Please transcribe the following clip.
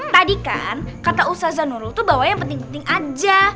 tadi kan kata usazanulu tuh bawa yang penting penting aja